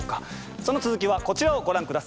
その続きはこちらをご覧下さい。